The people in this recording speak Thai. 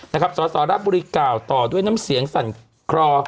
นะครับสสรับบุริกาวต่อด้วยน้ำเสียงสั่นครอ